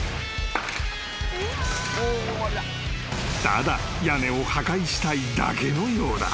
［ただ屋根を破壊したいだけのようだ］